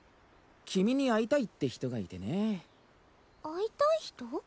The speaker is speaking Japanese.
君に会いたいって人がいてね会いたい人？